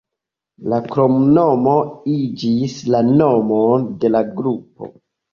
La kromnomo iĝis la nomon de la grupo.